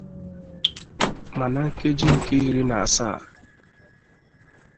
Ma na nkeji nke iri na asaa